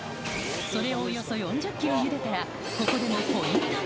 それをおよそ４０キロゆでたら、ここでもポイントが。